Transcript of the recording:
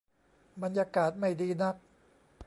บรรยากาศไม่ดีนัก